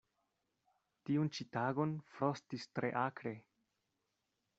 Tiun ĉi tagon frostis tre akre.